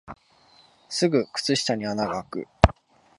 すぐ靴下に穴があく